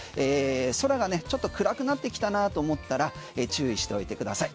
空がちょっと暗くなってきたなと思ったら注意しておいてください。